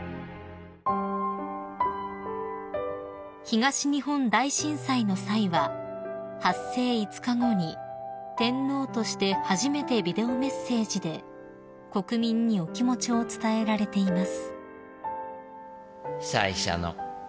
［東日本大震災の際は発生５日後に天皇として初めてビデオメッセージで国民にお気持ちを伝えられています］